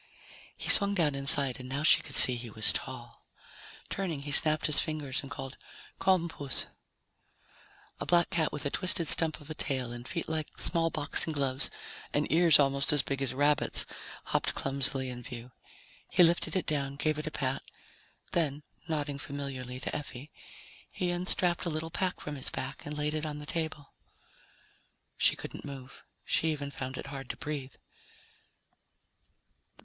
He swung down inside and now she could see he was tall. Turning, he snapped his fingers and called, "Come, puss." A black cat with a twisted stump of a tail and feet like small boxing gloves and ears almost as big as rabbits' hopped clumsily in view. He lifted it down, gave it a pat. Then, nodding familiarly to Effie, he unstrapped a little pack from his back and laid it on the table. She couldn't move. She even found it hard to breathe.